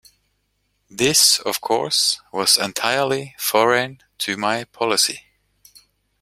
This, of course, was entirely foreign to my policy.